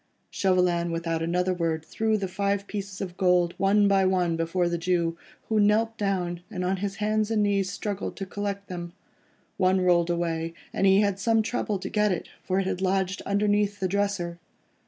Chauvelin without another word threw the five pieces of gold one by one before the Jew, who knelt down, and on his hands and knees struggled to collect them. One rolled away, and he had some trouble to get it, for it had lodged underneath the dresser.